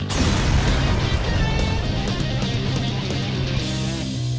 โปรดติดตามตอนต่อไป